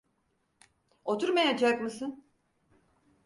Oturmayacak mısın?